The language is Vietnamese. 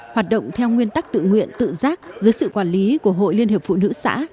hoạt động theo nguyên tắc tự nguyện tự giác dưới sự quản lý của hội liên hiệp phụ nữ xã